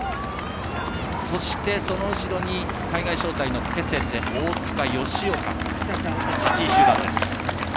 そして、その後ろに海外招待のケセテ大塚、吉岡、８位集団です。